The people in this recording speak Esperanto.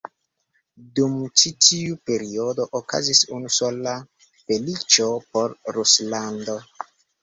Dum ĉi tiu periodo okazis unu sola feliĉo por Ruslando.